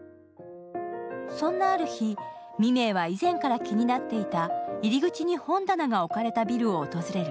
そんなある日、未明は以前から気になっていた入り口に本棚が置かれたビルを訪れる。